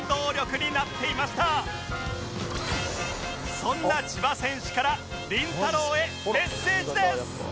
そんな千葉選手からりんたろー。へメッセージです